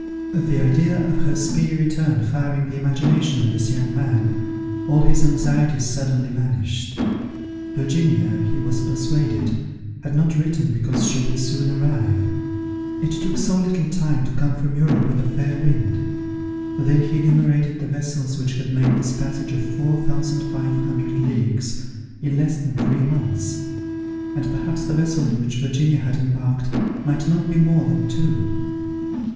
The idea of her speedy return firing the imagination of this young man, all his anxieties suddenly vanished. Virginia, he was persuaded, had not written, because she would soon arrive. It took so little time to come from Europe with a fair wind! Then he enumerated the vessels which had made this passage of four thousand five hundred leagues in less than three months; and perhaps the vessel in which Virginia had embarked might not be more than two.